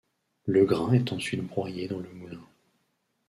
Le grain est ensuite broyé dans le moulin.